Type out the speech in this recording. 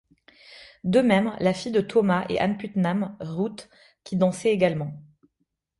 De même la fille de Thomas et Ann Putnam, Ruth, qui dansait également.